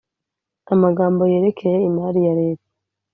amagambo yerekeye imari ya Leta